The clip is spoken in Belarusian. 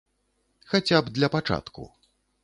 Хаця б для пачатку.